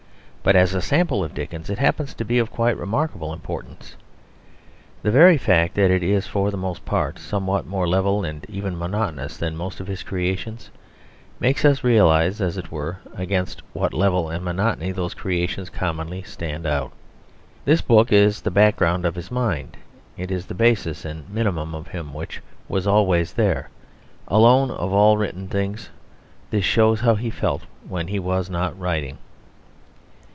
But as a sample of Dickens it happens to be of quite remarkable importance. The very fact that it is for the most part somewhat more level and even monotonous than most of his creations, makes us realise, as it were, against what level and monotony those creations commonly stand out. This book is the background of his mind. It is the basis and minimum of him which was always there. Alone, of all written things, this shows how he felt when he was not writing.